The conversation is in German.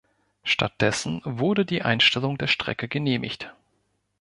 Stattdessen wurde die Einstellung der Strecke genehmigt.